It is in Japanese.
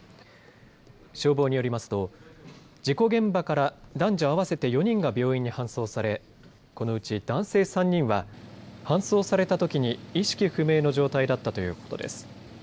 消防によりますと事故現場から男女合わせて４人が病院に搬送されこのうち男性３人は搬送されたときに意識不明の状態だったということです。